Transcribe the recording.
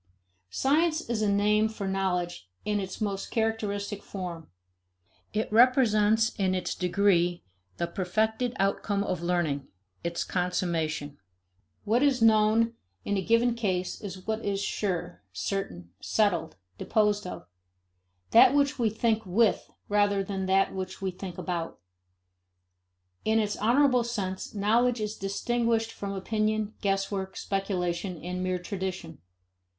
Science is a name for knowledge in its most characteristic form. It represents in its degree, the perfected outcome of learning, its consummation. What is known, in a given case, is what is sure, certain, settled, disposed of; that which we think with rather than that which we think about. In its honorable sense, knowledge is distinguished from opinion, guesswork, speculation, and mere tradition.